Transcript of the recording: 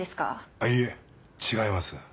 あっいえ違います。